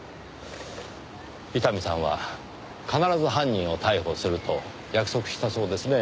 伊丹さんは必ず犯人を逮捕すると約束したそうですね。